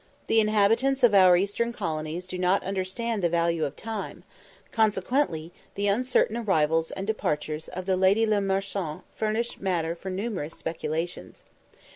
The inhabitants of our eastern colonies do not understand the value of time, consequently the uncertain arrivals and departures of the Lady Le Marchant furnish matter for numerous speculations.